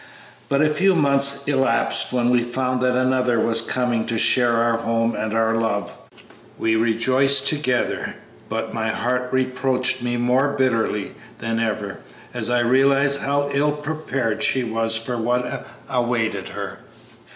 "But a few months elapsed when we found that another was coming to share our home and our love. We rejoiced together, but my heart reproached me more bitterly than ever as I realized how ill prepared she was for what awaited her.